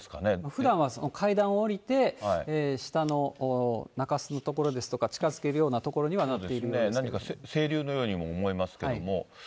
ふだんは階段を下りて、下の中州の所ですとか、近づけるような所にはなっているんですけ何か清流のようにも見えます